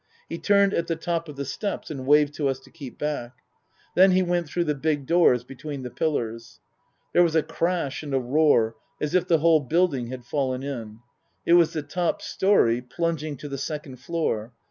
He turned at the top of the steps and waved to us to keep back. Then he went through the big doors between the pillars. There was a crash and a roar as if the whole building had fallen^ in. It was the top story plunging to the second floor.